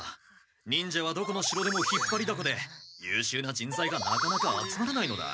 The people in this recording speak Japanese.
忍者はどこの城でもひっぱりだこでゆうしゅうなじんざいがなかなか集まらないのだ。